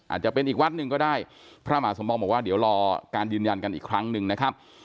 อาจจะเป็นอีกวัดหนึ่งก็ได้พระมหาสมปองบอกว่าเดี๋ยวรอการยืนยันกันอีกครั้งหนึ่งนะครับ